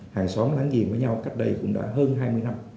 hàng xóm láng giềng với nhau cách đây cũng đã hơn hai mươi năm